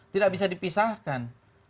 tidak bisa dipisahkan